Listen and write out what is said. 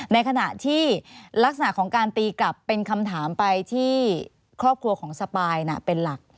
ในขณะที่ลักษณะของการตีกลับเป็นคำถามไปที่ครอบครัวของสปายเป็นหลัก